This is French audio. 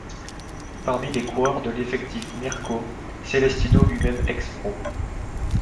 Parmi les coureurs de l'effectif Mirko Celestino lui-même ex pro.